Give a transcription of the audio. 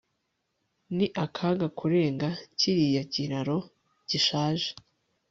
Ni akaga kurenga kiriya kiraro gishaje